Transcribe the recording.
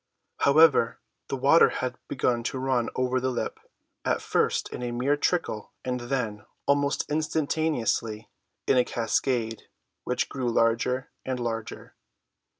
However, the water had began to run over the lip—at first in a mere trickle, and then, almost instantaneously, in a cascade, which grew larger and larger.